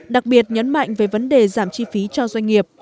đặc biệt nhấn mạnh về vấn đề giảm chi phí cho doanh nghiệp